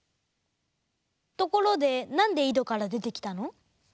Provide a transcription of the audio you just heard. ところでなんでいどからでてきたの？